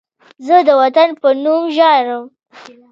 زه د وطن په نوم ژاړم